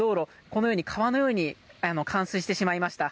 このように、川のように冠水してしまいました。